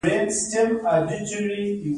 شنې سترگې يې خورا اثرناکې وې.